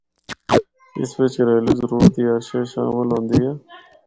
اس وچ کہریلو ضرورت دی ہر شے شامل ہوندی اے۔